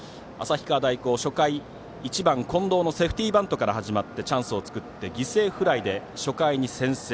初回、近藤のセーフティーバントから始まってチャンスを作って犠牲フライで初回に先制。